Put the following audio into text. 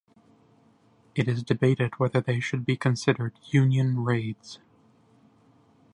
It is debated whether they should be considered union raids.